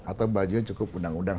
atau bajunya cukup undang undang